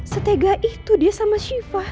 setegah itu dia sama siva